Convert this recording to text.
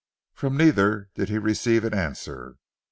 From neither did he receive an answer.